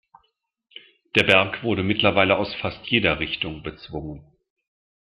Der Berg wurde mittlerweile aus fast jeder Richtung bezwungen.